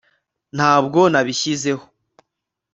ntabwo nabishyize aho